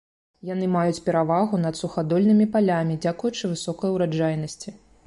Яны маюць перавагу над сухадольнымі палямі дзякуючы высокай ураджайнасці.